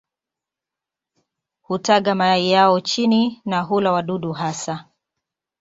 Hutaga mayai yao chini na hula wadudu hasa.